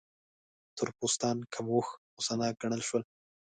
تور پوستان کم هوښ، غوسه ناک ګڼل شول.